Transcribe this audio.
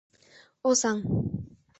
Озаҥ.